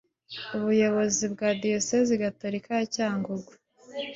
ubuyobozi bwa Diyosezi Gatolika ya Cyangugu